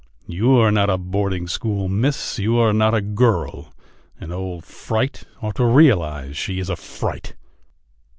"You are not a boarding school miss, you are not a girl. An old fright ought to realise she is a fright!"